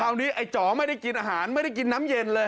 ไอ้จ๋อไม่ได้กินอาหารไม่ได้กินน้ำเย็นเลย